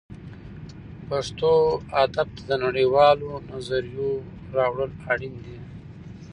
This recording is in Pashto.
پښتو ادب ته د نړۍ والو نظریو راوړل اړین دي